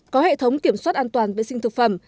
có hệ thống kiểm soát an toàn vệ sinh thực phẩm